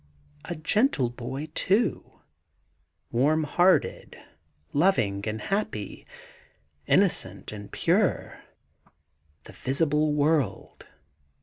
A gentle boy too; warm hearted, loving and happy, innocent and pure. ... The visible world!